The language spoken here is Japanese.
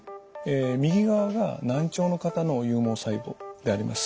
右側が難聴の方の有毛細胞であります。